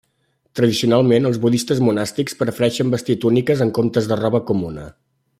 Tradicionalment els budistes monàstics prefereixen vestir túniques en comptes de roba comuna.